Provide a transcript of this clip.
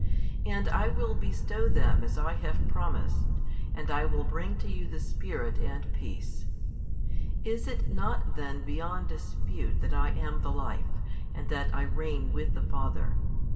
And I will bestow them as I have promised, and I will bring to you the Spirit and peace. Is it not then beyond dispute that I am the Life, and that I reign with the Father.